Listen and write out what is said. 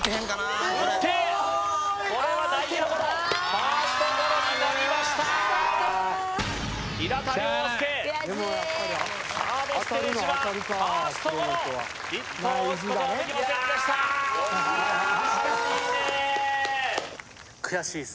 打ってこれは内野ゴロファーストゴロになりました平田良介サードステージはファーストゴロヒットを打つことはできませんでしたいやっ！